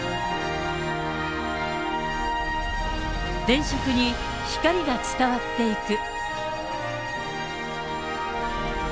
電飾に光が伝わっていく。